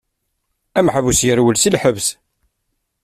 Ameḥbus yerwel si lḥebs.